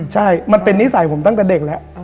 ใช่มันเป็นนิสัยผมตั้งแต่เด็กแล้ว